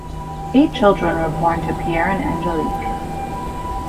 Eight children were born to Pierre and Angelique.